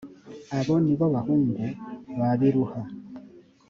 abo ni bo bahungu ba biluha